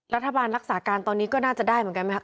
รัฐบาลรักษาการตอนนี้ก็น่าจะได้เหมือนกันไหมครับ